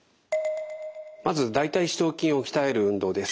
まず大腿四頭筋を鍛える運動です。